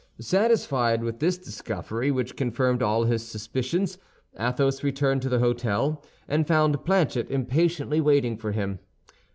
Satisfied with this discovery which confirmed all his suspicions, Athos returned to the hôtel, and found Planchet impatiently waiting for him.